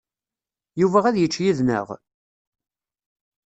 Yuba ad yečč yid-neɣ?